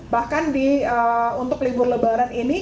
bahkan untuk libur lebaran ini